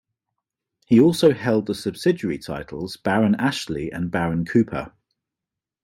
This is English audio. He also held the subsidiary titles Baron Ashley and Baron Cooper.